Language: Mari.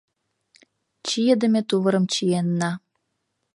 Чийыдыме тувырым чиенна.